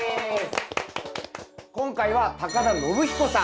今回は田延彦さん。